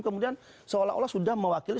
kemudian seolah olah sudah mewakili